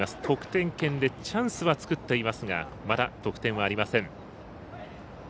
得点圏でチャンスは作っていますがまだ得点はありません。